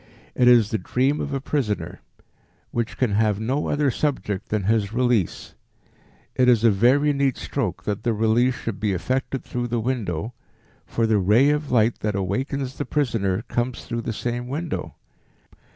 It is the Dream of a Prisoner, which can have no other subject than his release. It is a very neat stroke that the release should be effected through the window, for the ray of light that awakens the prisoner comes through the same window.